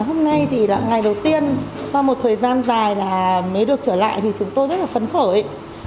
hôm nay thì ngày đầu tiên sau một thời gian dài là mới được trở lại thì chúng tôi rất là phấn khởi